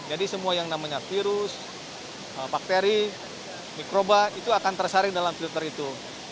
jadi semua yang namanya virus bakteri mikroba itu akan tersaring dalam filter itu